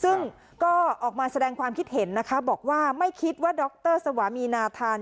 ซึ่งก็ออกมาแสดงความคิดเห็นนะคะบอกว่าไม่คิดว่าดรสวามีนาธาน